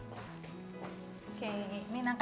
prita mengambil bahan bahan nangka